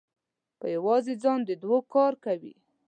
په یوازې ځان د دوو کار کوي.